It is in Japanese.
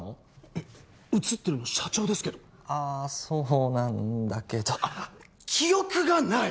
え写ってるの社長ですけどああそうなんだけどあ記憶がない！